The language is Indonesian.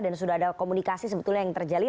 dan sudah ada komunikasi sebetulnya yang terjalin